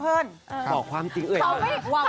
เพราะว่าใจแอบในเจ้า